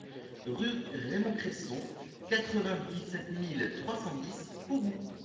Rue Raymond Cresson, quatre-vingt-dix-sept mille trois cent dix Kourou